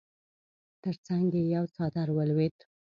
تر څنګ يې يو څادر ولوېد.